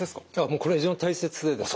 これ非常に大切でですね